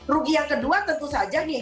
rugi yang kedua tentu saja nih